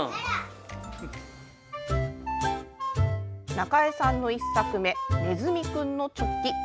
なかえさんの１作目「ねずみくんのチョッキ」。